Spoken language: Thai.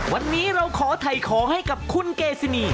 วันนี้เราขอถ่ายของให้กับคุณเกซินี